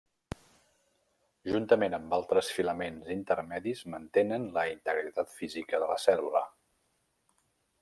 Juntament amb altres filaments intermedis mantenen la integritat física de la cèl·lula.